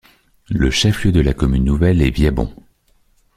Le chef-lieu de la commune nouvelle est Viabon.